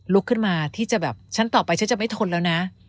ลุกขึ้นมาที่จะแบบชั้นต่อไปฉันจะไม่ทนแล้วนะ